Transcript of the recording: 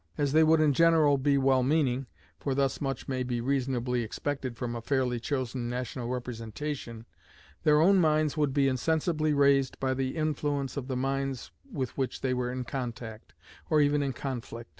As they would in general be well meaning (for thus much may reasonably be expected from a fairly chosen national representation), their own minds would be insensibly raised by the influence of the minds with which they were in contact, or even in conflict.